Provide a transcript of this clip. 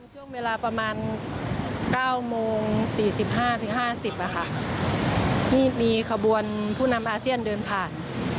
ช่วงเวลาประมาณเก้าโมงสี่สิบห้าถึงห้าสิบอะค่ะนี่มีขบวนผู้นำอาเซียนเดินผ่าน